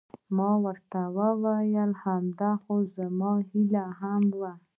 ما ورته وویل: همدا خو زما هیله هم وه.